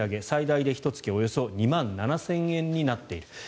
最大でひと月およそ２万７０００円になっている。